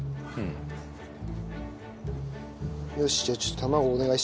よしじゃあちょっと卵お願いしていいですか？